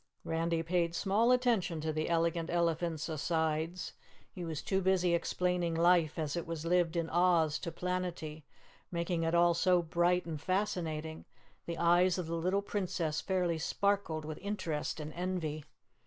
Randy paid small attention to the Elegant Elephant's asides; he was too busy explaining life as it was lived in Oz to Planetty, making it all so bright and fascinating, the eyes of the little Princess fairly sparkled with interest and envy.